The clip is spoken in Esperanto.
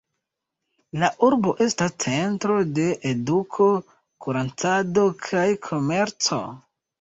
La urbo estas centro de eduko, kuracado kaj komerco.